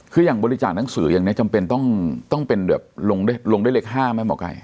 คืออย่างบริจาคหนังสืออย่างนี้จำเป็นต้องเป็นแบบลงด้วยเลข๕ไหมหมอไก่